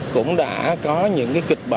cũng đã có những kịch bản